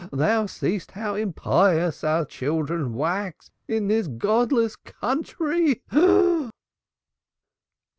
Thou seest how impious our children wax in this godless country."